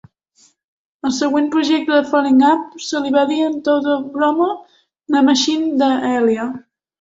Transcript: El següent projecte de Falling Up se li va dir en to de broma "The Machine De Ella".